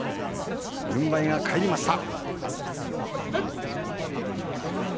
軍配が返りました。